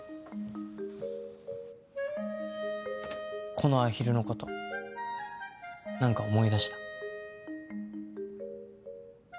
このアヒルのこと何か思い出した？